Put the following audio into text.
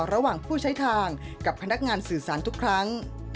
ระหว่างผู้ใช้ทางกับพนักงานสื่อสารทุกครั้ง